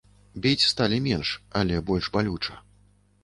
Біць сталі менш, але больш балюча.